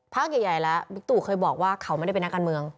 ใหญ่แล้วบิ๊กตู่เคยบอกว่าเขาไม่ได้เป็นนักการเมือง